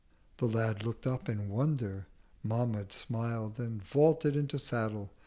The Lad look'd up in Wonder—Mahmud smiled And vaulted into Saddle.